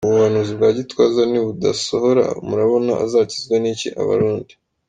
Ubu buhanuzi bwa Gitwaza nibudasohora murabona azakizwa n’iki Abarundi?.